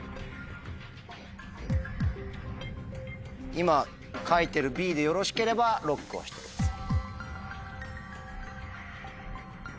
今書いてるＢでよろしければＬＯＣＫを押してください。